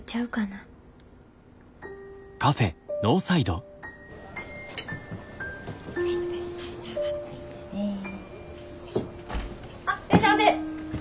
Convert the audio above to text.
あっいらっしゃいませ。